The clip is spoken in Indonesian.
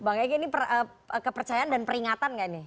bang egy ini kepercayaan dan peringatan nggak nih